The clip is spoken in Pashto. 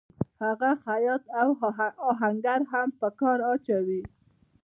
هغه خیاط او آهنګر هم په کار اچوي